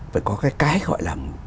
phải có cái cái gọi là